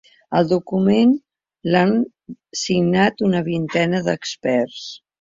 El document l’han signat una vintena d’experts.